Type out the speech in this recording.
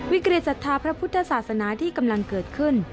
วิกฤตศรัทธาพระพุทธศาสนาที่กำลังเกิดขึ้น